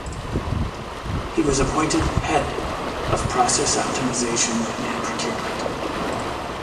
He was appointed Head of Process Optimization and Procurement.